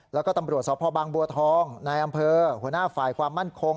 แล้วก็ตำรวจสพบางบัวทองนายอำเภอหัวหน้าฝ่ายความมั่นคง